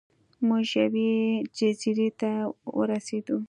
موږ یوې جزیرې ته ورسیدو.